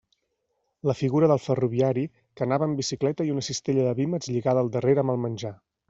La figura del ferroviari, que anava en bicicleta i una cistella de vímets lligada al darrere amb el menjar.